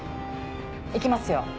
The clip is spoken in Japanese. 行きますよ？